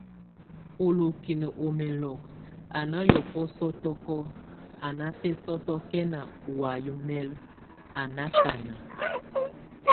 Olokin o mɛlok, a ná yɔfɔ sɔtɔkɔk, a nábesɔtɛn o waye mɛl a nákana.